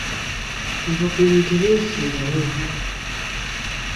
Abakuumi tebeefiirayo.